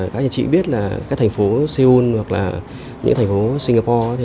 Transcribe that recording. các nhà chị biết là các thành phố seoul hoặc là những thành phố singapore